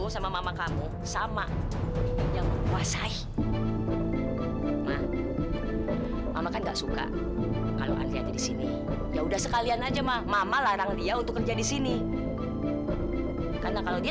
sampai jumpa di video selanjutnya